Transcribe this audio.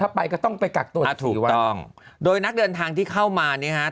ถ้าไปก็ต้องไปกักตัวถูกต้องโดยนักเดินทางที่เข้ามาเนี่ยฮะ